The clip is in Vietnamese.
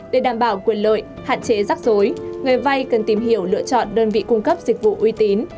để đảm bảo quyền lợi hạn chế rắc rối người vay cần tìm hiểu lựa chọn đơn vị cung cấp dịch vụ uy tín